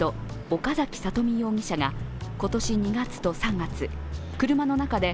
岡崎里美容疑者が今年２月と３月、車の中で